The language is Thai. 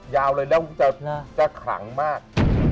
ยาวเลยนะจะขลังมาก